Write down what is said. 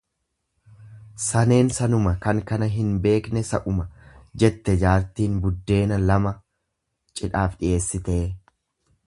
"""Saneen sanuma kan kana hin beekne sa'uma"", jette jaartiin buddeena lama cidhaaf dhiyeessitee."